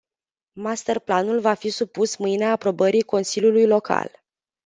Master planul va fi supus mâine aprobării consiliului local.